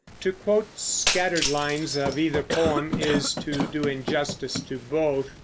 To quote scattered lines of either poem is to do injustice to both.